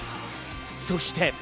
そして。